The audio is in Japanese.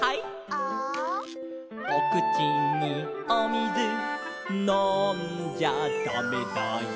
「ア」「おくちにおみずのんじゃだめだよ」